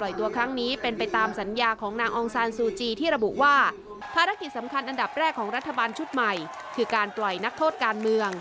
ปล่อยตัวครั้งนี้เป็นไปตามสัญญาของนางองซานซูจีที่ระบุว่าภารกิจสำคัญอันดับแรกของรัฐบาลชุดใหม่คือการปล่อยนักโทษการเมือง